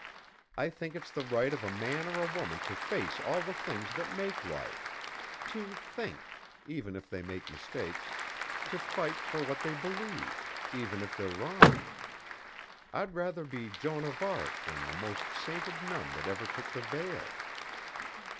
I think it's the right of a man or a woman to face all the things that make life, to think even if they make mistakes to fight for what they believe, even if they're wrong. I'd rather be Joan of Arc than the most sainted nun that ever took the veil!"